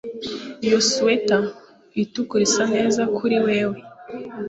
Iyo swater itukura isa neza kuri wewe